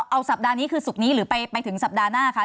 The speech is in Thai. เอาสัปดาห์นี้คือศุกร์นี้หรือไปถึงสัปดาห์หน้าคะ